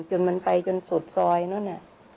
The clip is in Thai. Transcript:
จนมันไปจนสุดซอยนู้น